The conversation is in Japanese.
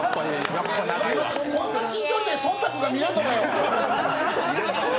こんな近距離でそんなそんたくが見れるのかよ。